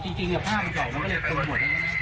แต่จริงเนี่ยผ้ามันเจาะมันก็เลยคุณหมดแล้วนะ